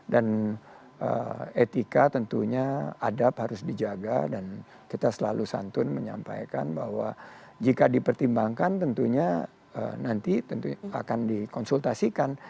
dan etika tentunya adab harus dijaga dan kita selalu santun menyampaikan bahwa jika dipertimbangkan tentunya nanti akan dikonsultasikan